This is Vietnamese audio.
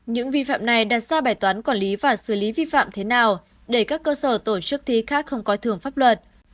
những vi phạm này đặt ra bài toán quản lý và xử lý vi phạm thế nào để các cơ sở tổ chức thi khác không có thưởng pháp luật